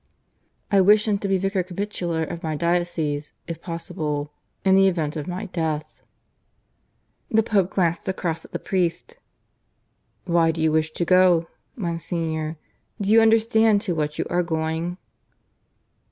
I wish him to be Vicar Capitular of my diocese, if possible, in the event of my death." The Pope glanced across at the priest. "Why do you wish to go, Monsignor? Do you understand to what you are going?"